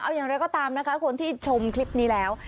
เอาอย่างไรก็ตามนะคะคนที่ชมคลิปนี้แล้ว